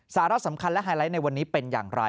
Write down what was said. สาระสำคัญและไฮไลท์ในวันนี้เป็นอย่างไร